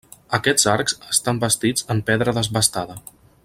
Aquests arcs estan bastits en pedra desbastada.